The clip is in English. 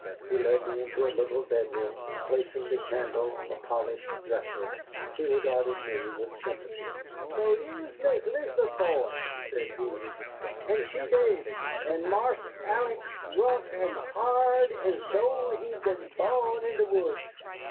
He led me into a little bedroom, and placing the candle on a polished dresser, he regarded me with sympathy. "So you're Miss Lizbeth's boy," said he. "An' she dade. An' Marse Alec rough an' hard es though he been bo'n in de woods.